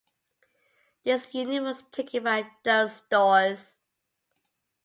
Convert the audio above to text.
This unit was taken by Dunnes Stores.